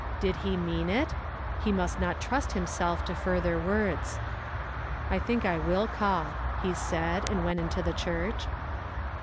Did he mean it? He must not trust himself to further words. "I think I will call," he said, and went into the church.